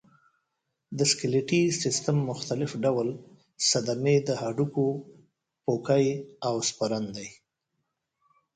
د سکلیټي سیستم مختلف ډول صدمې د هډوکو پوکی او سپرن دی.